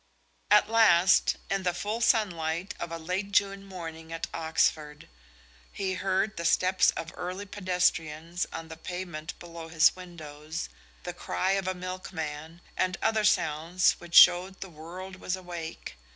At last, in the full sunlight of a late June morning at Oxford, he heard the steps of early pedestrians on the pavement below his windows, the cry of a milkman, and other sounds which showed the world was awake.